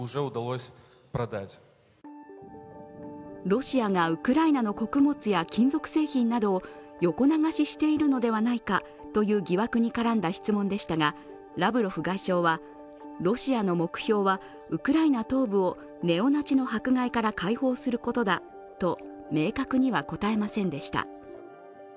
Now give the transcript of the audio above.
ロシアがウクライナの穀物や金属製品などを横流ししているのではないかという疑惑に絡んだ質問でしたがラブロフ外相はロシアの目標はウクライナ東部をネオナチの迫害から解放することだと明確には答えませんでした。